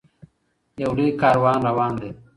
یو لوی کاروان روان دی.